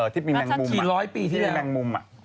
ที่มีแมงมุมแมงมุมที่